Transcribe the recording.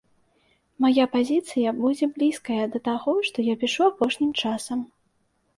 Мая пазіцыя будзе блізкая да таго, што я пішу апошнім часам.